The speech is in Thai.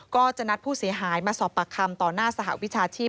ก็จะนัดผู้เสียหายมาสอบปากคำต่อหน้าสหวิชาชีพ